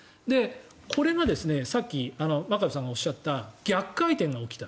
これがさっき真壁さんがおっしゃった逆回転が起きた。